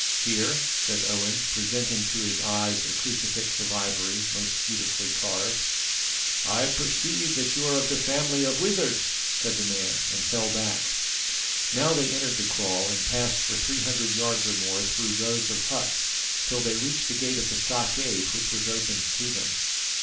"Here," said Owen, presenting to his eyes a crucifix of ivory, most beautifully carved. "I perceive that you are of the family of wizards," said the man, and fell back. Now they entered the kraal and passed for three hundred yards or more through rows of huts, till they reached the gate of the stockade, which was opened to them.